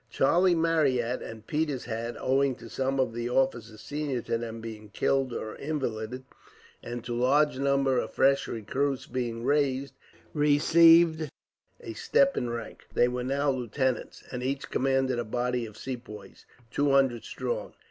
Charlie Marryat and Peters had, owing to some of the officers senior to them being killed or invalided, and to large numbers of fresh recruits being raised, received a step in rank. They were now lieutenants, and each commanded a body of Sepoys, two hundred strong.